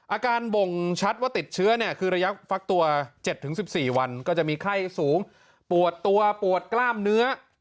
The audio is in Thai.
อาการบ่งชัดว่าติดเชื้อเนี่ยคือระยะฟักตัว๗๑๔วันก็จะมีไข้สูงปวดตัวปวดกล้ามเนื้อ